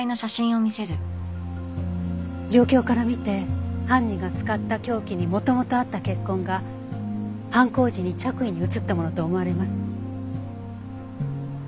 状況から見て犯人が使った凶器に元々あった血痕が犯行時に着衣に移ったものと思われます。